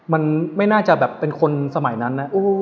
มันไม่น่าจะแบบเป็นคนสมัยนั้นนะ